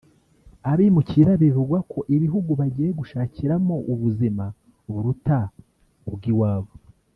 abimukira bivugwa ko ibihugu bagiye gushakiramo ubuzima buruta ubw’iwabo